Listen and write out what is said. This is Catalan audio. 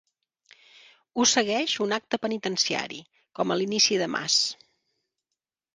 Ho segueix un acte penitenciari, com a l'inici de Mass.